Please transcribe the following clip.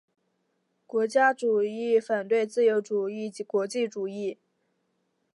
国家主义反对自由主义及国际主义。